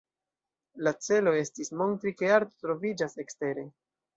La celo estis montri ke arto troviĝas ekstere!